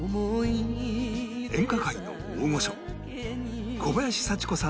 演歌界の大御所小林幸子さん